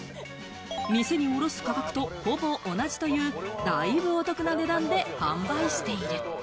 店に卸す価格とほぼ同じという、だいぶお得な値段で販売している。